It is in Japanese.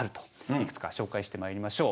いくつか紹介してまいりましょう。